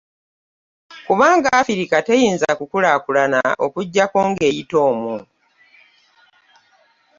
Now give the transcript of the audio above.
Kubanga Afirika teyinza kukulaakulana okuggyako ng'eyita omwo.